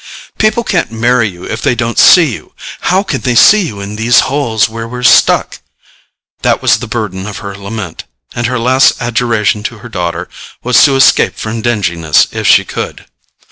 "People can't marry you if they don't see you—and how can they see you in these holes where we're stuck?" That was the burden of her lament; and her last adjuration to her daughter was to escape from dinginess if she could.